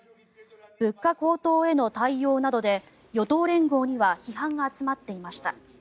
物価高騰への対応などで与党連合には批判が集まっていました。